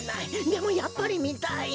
でもやっぱりみたい。